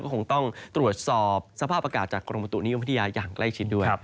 ก็คงต้องตรวจสอบสภาพอากาศจากกรมประตูนี้อย่างใกล้ชิดด้วย